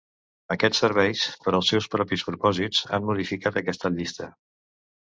Aquests serveis, per als seus propis propòsits, han modificat aquesta llista.